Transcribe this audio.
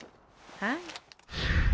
はい。